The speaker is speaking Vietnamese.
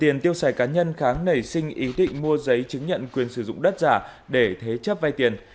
tiền tiêu xài cá nhân kháng nảy sinh ý định mua giấy chứng nhận quyền sử dụng đất giả để thế chấp vay tiền